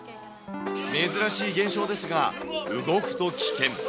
珍しい現象ですが、動くと危険。